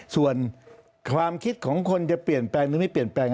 ส่วนความคิดของคนจะเปลี่ยนแปลงหรือไม่เปลี่ยนแปลง